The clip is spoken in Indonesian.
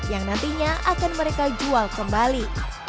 yang nantinya akan mereka jual kembali